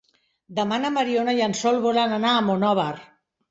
Demà na Mariona i en Sol volen anar a Monòver.